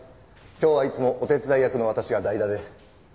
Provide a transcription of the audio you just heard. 今日はいつもお手伝い役の私が代打で。